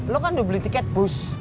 lo kan udah beli tiket bus